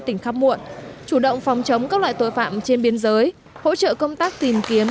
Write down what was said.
tỉnh khắp muộn chủ động phòng chống các loại tội phạm trên biên giới hỗ trợ công tác tìm kiếm